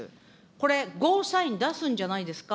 これ、ゴーサイン出すんじゃないですか。